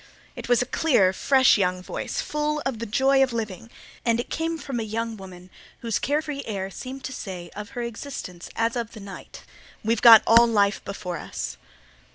It was a clear, fresh young voice, full of the joy of living and came from a young woman whose carefree air seemed to say of her existence as of the night "We've got all life before us."